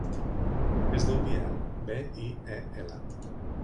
Es diu Biel: be, i, e, ela.